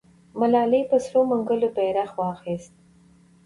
ملالۍ په سرو منګولو بیرغ واخیست.